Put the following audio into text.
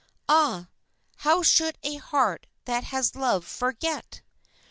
(Ah, how should a heart that has loved forget?)